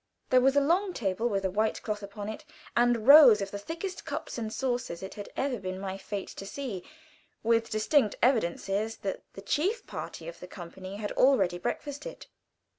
There was a long table with a white cloth upon it, and rows of the thickest cups and saucers it had ever been my fate to see, with distinct evidences that the chief part of the company had already breakfasted.